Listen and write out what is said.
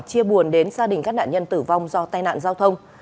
chia buồn đến gia đình các nạn nhân tử vong do tai nạn giao thông